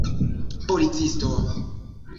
policisto